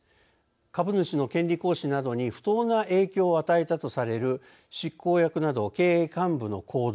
株主の権利行使などに不当な影響を与えたとされる執行役など経営幹部の行動